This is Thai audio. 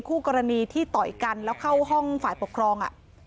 คู่กรณีที่ต่อยกันแล้วเข้าห้องฝ่ายปกครอง